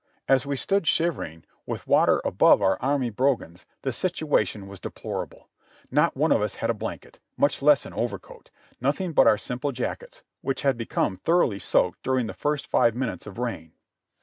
As we stood shivering, with water above our army bro gans, the situation was deplorable; not one of us had a blanket, much less an overcoat; nothing but our simple jackets, which had become thoroughly soaked during the first five minutes of rain.